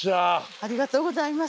ありがとうございます。